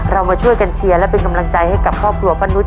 เรามาช่วยกันเชียร์และเป็นกำลังใจให้กับครอบครัวป้านุษ